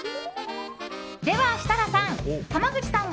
では、設楽さん！